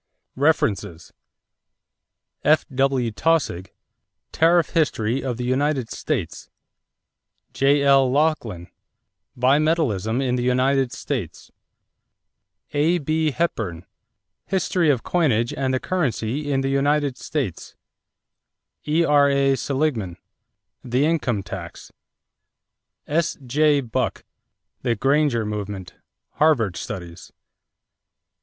=References= F.W. Taussig, Tariff History of the United States. J.L. Laughlin, Bimetallism in the United States. A.B. Hepburn, History of Coinage and Currency in the United States. E.R.A. Seligman, The Income Tax. S.J. Buck, The Granger Movement (Harvard Studies).